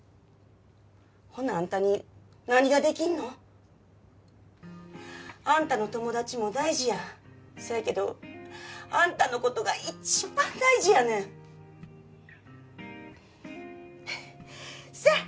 ほなあんたに何ができんの？あんたの友達も大事やせやけどあんたのことが一番大事やねんさあ